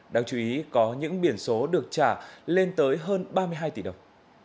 đáng chú ý có những biển số được trả lên tới hơn ba mươi hai tỷ đồng